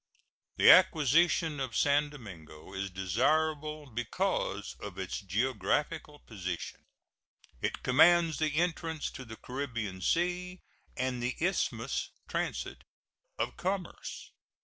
The acquisition of San Domingo is desirable because of its geographical position. It commands the entrance to the Caribbean Sea and the Isthmus transit of commerce.